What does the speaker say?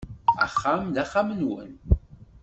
Axxam d axxam-nwen.